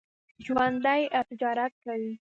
ژوندي تجارت کوي